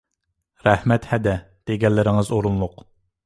رەھمەت ھەدە! دېگەنلىرىڭىز ئورۇنلۇق.